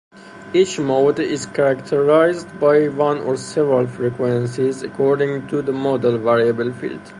Each mode is characterized by one or several frequencies, according the modal variable field.